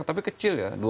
tapi kecil ya